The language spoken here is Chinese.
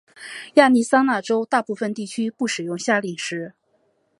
亚利桑那州大部分地区不使用夏令时。